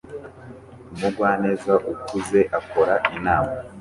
Umugwaneza ukuze akora inama